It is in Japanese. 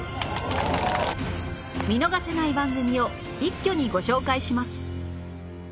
見逃せない番組を一挙にご紹介します